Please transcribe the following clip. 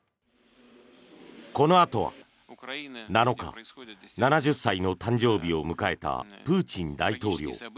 このあとは７日７０歳の誕生日を迎えたプーチン大統領。